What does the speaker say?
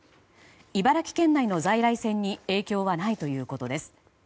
茨城県内の在来線に影響はないということです。